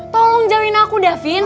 tolong jauhin aku da vin